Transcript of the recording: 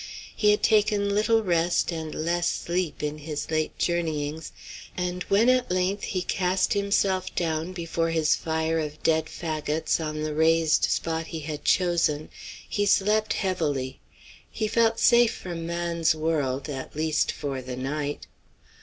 He had taken little rest and less sleep in his late journeyings, and when at length he cast himself down before his fire of dead fagots on the raised spot he had chosen, he slept heavily. He felt safe from man's world, at least for the night.